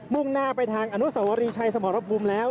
่งหน้าไปทางอนุสวรีชัยสมรภูมิแล้ว